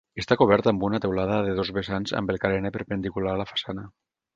Està coberta amb una teulada de dos vessants amb el carener perpendicular a la façana.